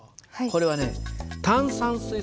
これはね